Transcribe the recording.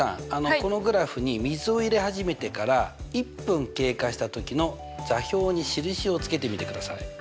このグラフに水を入れ始めてから１分経過した時の座標に印をつけてみてください。